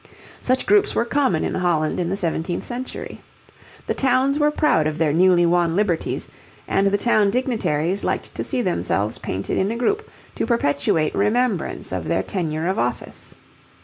Such groups were common in Holland in the seventeenth century. The towns were proud of their newly won liberties, and the town dignitaries liked to see themselves painted in a group to perpetuate remembrance of their tenure of office.